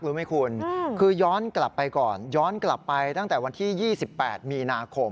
รู้ไหมคุณคือย้อนกลับไปก่อนย้อนกลับไปตั้งแต่วันที่๒๘มีนาคม